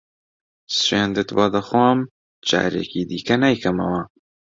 سوێندت بۆ دەخۆم جارێکی دیکە نایکەمەوە.